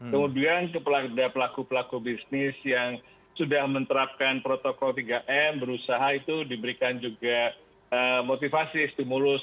kemudian pelaku pelaku bisnis yang sudah menerapkan protokol tiga m berusaha itu diberikan juga motivasi stimulus